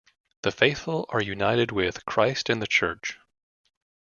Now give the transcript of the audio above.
The faithful are united with Christ in the Church.